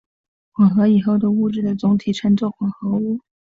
混合以后的物质的总体称作混合物。